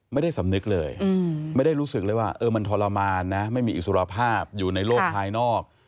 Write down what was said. ไม่ได้สำนึกเลยไม่ได้รู้สึกเลยว่ามันทรมานนะไม่มีอิสรภาพอยู่ในโลกภายนอก